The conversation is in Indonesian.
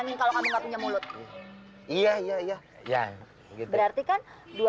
kan hai kalau kanku gak punya mulut iya iya gitu berarti kan